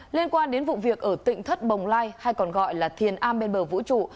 liên quan đến vụ việc ở tỉnh thất bồng lai hay còn gọi là thiền a bên bờ vũ trụ